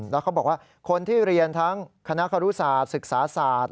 แล้วเขาบอกว่าคนที่เรียนทั้งคณะครุศาสตร์ศึกษาศาสตร์